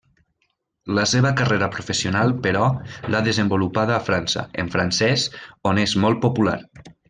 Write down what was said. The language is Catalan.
La seva carrera professional però, l'ha desenvolupada a França, en francès, on és molt popular.